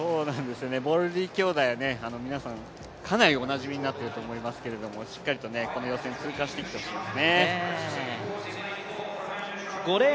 ボルリー兄弟は皆さんかなりおなじみになっていると思いますがしっかりこの予選、通過してきてほしいですよね。